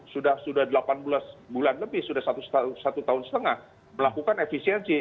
sudah delapan belas bulan lebih sudah satu tahun setengah melakukan efisiensi